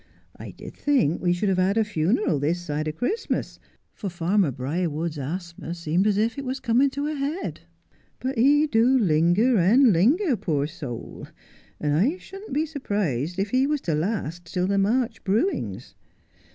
' I did think we should have had a funeral this side of Christmas, for farmer Briarwood's asthma seemed as if it was coming to a head ; but he do linger and linger, poor soul, and I shouldn't be surprised if he was to last till the March brewings.